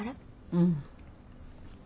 うん。